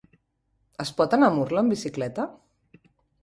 Es pot anar a Murla amb bicicleta?